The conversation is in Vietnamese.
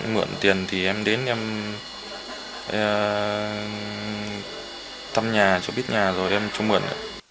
mượn tiền thì em đến em tăm nhà cho biết nhà rồi em trông mượn